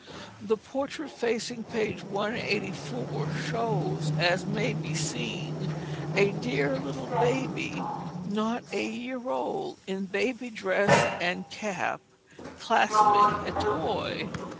The portrait facing page 184 shows, as may be seen, a dear little baby not a year old, in baby dress and cap, clasping a toy.